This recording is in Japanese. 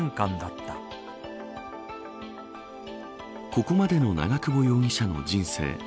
ここまでの長久保容疑者の人生。